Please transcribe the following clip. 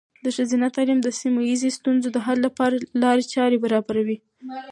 د ښځینه تعلیم د سیمه ایزې ستونزو د حل لپاره لارې چارې برابروي.